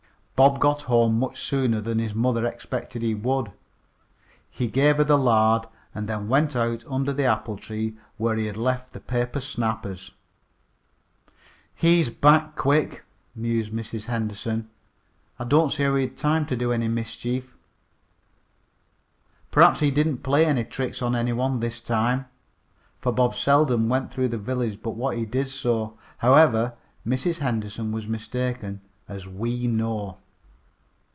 Bob got home much sooner than his mother expected he would. He gave her the lard, and then went out under the apple tree where he had left the paper snappers. "He's back quick," mused Mrs. Henderson. "I don't see how he had time to do any mischief. Perhaps he didn't play any tricks on any one this time," for Bob seldom went through the village but what he did so. However, Mrs. Henderson was mistaken, as we know.